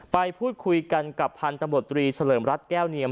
ไปพูดคุยกันกับพันธมฏภรีเสลิมรัฐแก้วเนียม